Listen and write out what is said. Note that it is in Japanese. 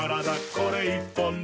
これ１本で」